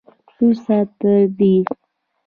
وروسته تر دې